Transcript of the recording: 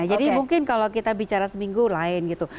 jadi mungkin kalau kita bicara seminggu lain gitu